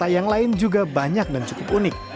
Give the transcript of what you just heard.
serta yang lain juga banyak dan cukup unik